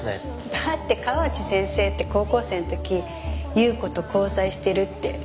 だって河内先生って高校生の時優子と交際してるって噂があったんです。